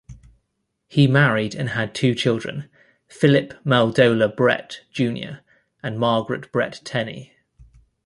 He married and had two children: Philip Milledoler Brett, Junior and Margaret Brett Tenney.